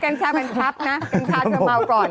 กัญชาเป็นซิทรัพย์นะแบบ็าก่อน